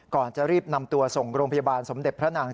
ก่อนจะรีบนำตัวส่งโรงพยาบาลสมเด็จพระนาง